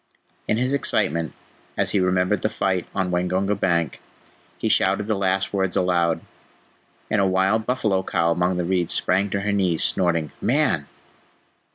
In his excitement, as he remembered the fight on Waingunga bank, he shouted the last words aloud, and a wild buffalo cow among the reeds sprang to her knees, snorting, "Man!"